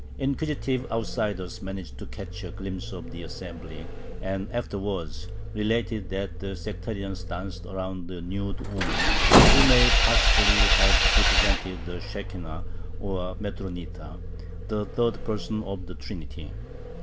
Inquisitive outsiders managed to catch a glimpse of the assembly, and afterwards related that the sectarians danced around a nude woman, who may possibly have represented the Shekhinah, or Matronitha, the third person of the Trinity.